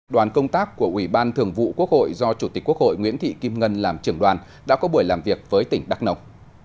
đoàn công tác của ủy ban thường vụ quốc hội do chủ tịch quốc hội nguyễn thị kim ngân làm trưởng đoàn đã có buổi làm việc với tỉnh đắk nông